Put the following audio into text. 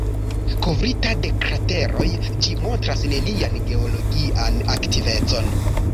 Kovrita de krateroj, ĝi montras nenian geologian aktivecon.